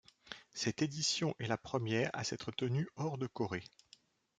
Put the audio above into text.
Cette édition est la première à s'être tenu hors de Corée.